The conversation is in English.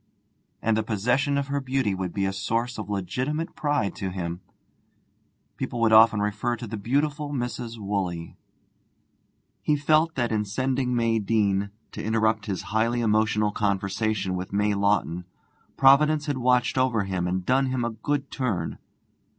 And the possession of her beauty would be a source of legitimate pride to him. People would often refer to the beautiful Mrs. Woolley. He felt that in sending May Deane to interrupt his highly emotional conversation with May Lawton Providence had watched over him and done him a good turn.